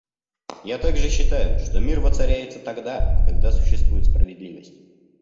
Я также считаю, что мир воцаряется тогда, когда существует справедливость.